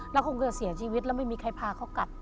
แล้วคงจะเสียชีวิตแล้วไม่มีใครพาเขากลับ